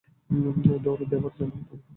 দৌড় দেবার জন্য তৈরি হ।